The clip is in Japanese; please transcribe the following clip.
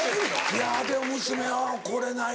いやでも娘は怒れない。